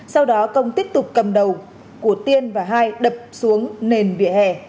sau đó công tiếp tục cầm đầu của tiên và hai đập xuống nền vỉa hè